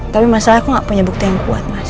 tapi masalah aku nggak punya bukti yang kuat mas